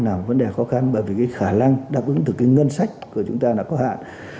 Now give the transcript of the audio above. là vấn đề khó khăn bởi vì cái khả năng đáp ứng từ cái ngân sách của chúng ta đã có hạn